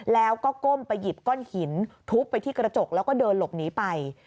แล้วก็ก้มไปหยิบก้อนหินทุบไปที่กระจกแล้วก็เดินหลบหนีไป